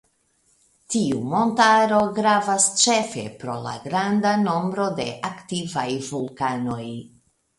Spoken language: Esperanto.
Tiu montaro gravas ĉefe pro la granda nombro de aktivaj vulkanoj.